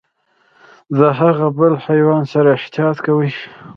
د هغه بل حیوان سره احتياط کوئ .